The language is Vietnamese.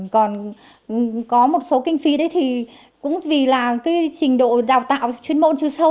còn có một số kinh phí đấy thì cũng vì là cái trình độ đào tạo chuyên môn chưa sâu